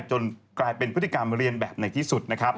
จนกลายเป็นพฤติกรรมเรียนแบบในที่สุดนะครับ